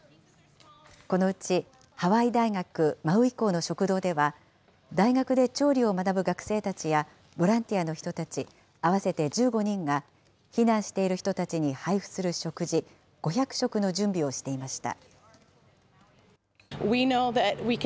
このうちハワイ大学マウイ校の食堂では、大学で調理を学ぶ学生たちやボランティアの人たち合わせて１５人が、避難している人たちに配布する食事５００食の準備をしていました。